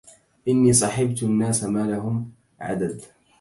إني صحبت الناس ما لهم عدد